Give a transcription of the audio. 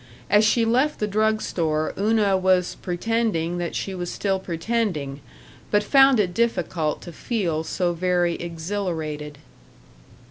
As she left the drug store Una was pretending that she was still pretending, but found it difficult to feel so very exhilarated.